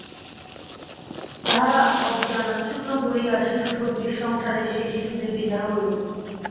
যাহারা অজ্ঞানাচ্ছন্ন বলিয়া শিশুসদৃশ, সংসারের সেই শিশুদের বিচারও ঐরূপ।